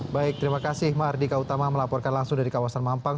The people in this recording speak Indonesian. baik terima kasih mardika utama melaporkan langsung dari kawasan mampang